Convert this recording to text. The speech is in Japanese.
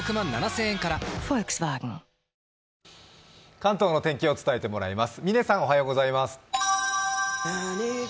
関東の天気を伝えてもらいます。